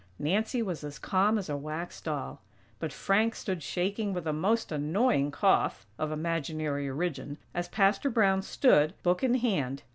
Nancy was as calm as a wax doll; but Frank stood shaking with a most annoying cough (of imaginary origin!) as Pastor Brown stood, book in hand.